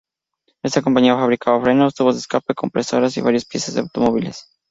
Esta compañía fabricaba frenos, tubos de escape, compresores y varias piezas de automóviles.